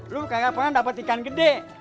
lu kaya kapan dapat ikan gede